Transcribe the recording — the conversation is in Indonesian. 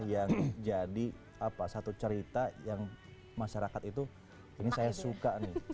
yang jadi satu cerita yang masyarakat itu ini saya suka nih